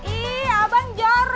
ih abang jorok